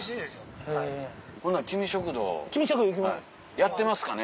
やってますかね？